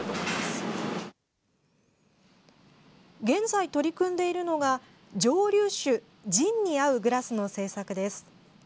現在取り組んでいるのが蒸留酒ジンに合うグラスの制作です。